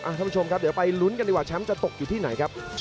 ท่านผู้ชมครับเดี๋ยวไปลุ้นกันดีกว่าแชมป์จะตกอยู่ที่ไหนครับ